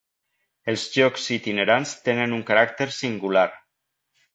Els llocs itinerants tenen un caràcter singular.